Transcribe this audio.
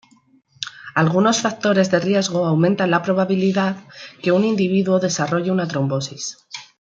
Algunos factores de riesgo aumentan la probabilidad que un individuo desarrolle una trombosis.